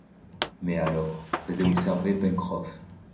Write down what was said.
Mais alors, faisait observer Pencroff